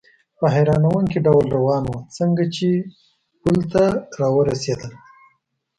په حیرانوونکي ډول روان و، څنګه چې پل ته را ورسېدل.